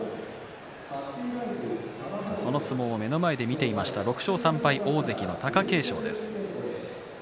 その相撲を目の前で見ていました６勝３敗大関の貴景勝です。